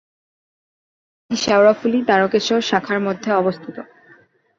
এটি শেওড়াফুলি-তারকেশ্বর শাখার মধ্যে অবস্থিত।